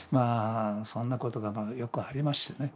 そんなことがよくありましてね